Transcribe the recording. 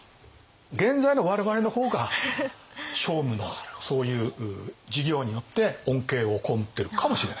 現在の我々の方が聖武のそういう事業によって恩恵を被ってるかもしれない。